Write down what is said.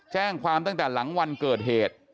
แจ้งความตั้งแต่หลังวันเกิดเหตุ